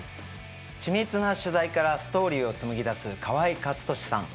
緻密な取材からストーリーを紡ぎだす河合克敏さん。